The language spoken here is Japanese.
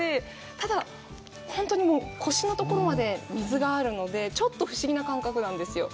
ただ、本当にもう、腰のところまで水があるので、ちょっと不思議な感覚なんですよ。